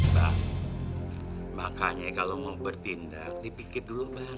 bang makanya kalo mau berpindah dipikir dulu bang